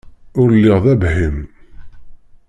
Ur lliɣ d abhim.